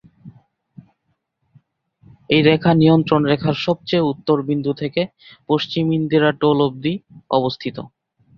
এই রেখা নিয়ন্ত্রণ রেখার সবচেয়ে উত্তর বিন্দু থেকে পশ্চিম ইন্দিরা টোল অব্দি অবস্থিত।